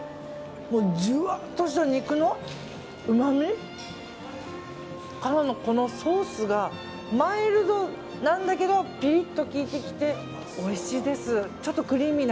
もう、じゅわっとした肉のうまみからの、このソースがマイルドなんだけどピリッと効いてきておいしいです。